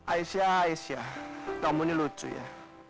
aisyah aisyah tamu ini lucu ya